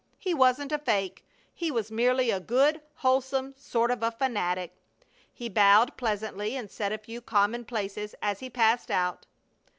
He wasn't a fake, he was merely a good, wholesome sort of a fanatic. He bowed pleasantly and said a few commonplaces as he passed out.